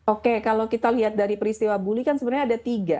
oke kalau kita lihat dari peristiwa bully kan sebenarnya ada tiga